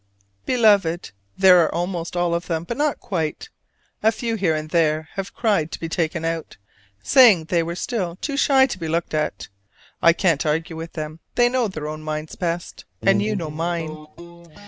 Beloved: These are almost all of them, but not quite; a few here and there have cried to be taken out, saying they were still too shy to be looked at. I can't argue with them: they know their own minds best; and you know mine.